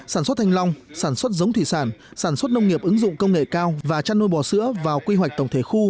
sản xuất thanh long sản xuất giống thủy sản sản xuất nông nghiệp ứng dụng công nghệ cao và chăn nuôi bò sữa vào quy hoạch tổng thể khu